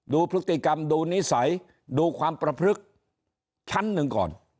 ดูพฤติกรรมดูนิสัยดูความประพฤกษ์ชั้นหนึ่งก่อน